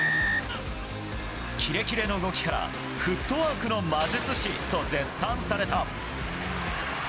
キレキレの動きからフットワークの魔術師と絶賛された。